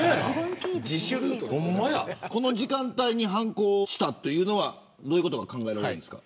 この時間帯に犯行したというのはどういうことが考えられますか。